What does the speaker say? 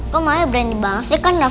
kok maya berani bangsi kan dah